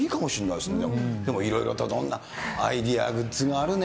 でもいろいろと、アイデアグッズがあるね。